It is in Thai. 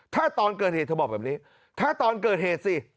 ถ้าตอนเกิดเหตุเธอบอกแบบนี้ถ้าตอนเกิดเหตุสิ